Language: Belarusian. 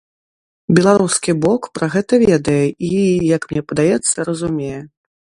Беларускі бок пра гэта ведае і, як мне падаецца, разумее.